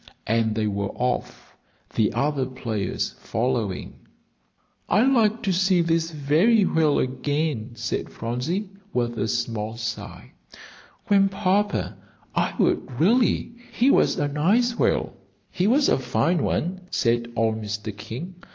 And they were off, the other players following. "I'd like to see this very whale again," said Phronsie, with a small sigh; "Grandpapa, I would, really; he was a nice whale." "Yes, he was a fine one," said old Mr. King.